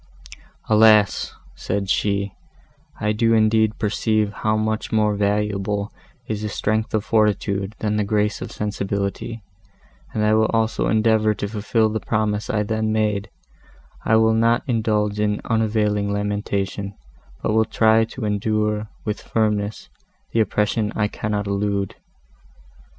"Alas!" said she, "I do indeed perceive how much more valuable is the strength of fortitude than the grace of sensibility, and I will also endeavour to fulfil the promise I then made; I will not indulge in unavailing lamentation, but will try to endure, with firmness, the oppression I cannot elude."